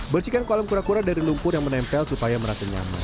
bersihkan kolam kura kura dari lumpur yang menempel supaya merasa nyaman